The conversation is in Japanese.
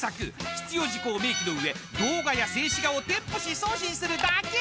必要事項を明記の上動画や静止画を添付し送信するだけ！］